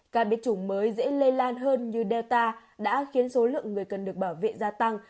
ca biết chủng mới dễ lây lan hơn như delta đã khiến số lượng người cần được bảo vệ gia tăng